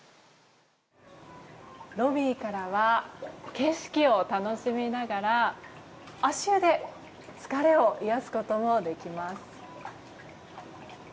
ロビーからは景色を楽しみながら足湯で疲れを癒やすこともできます。